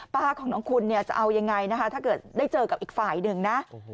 ป้าของน้องคุณเนี่ยจะเอายังไงนะคะถ้าเกิดได้เจอกับอีกฝ่ายหนึ่งนะ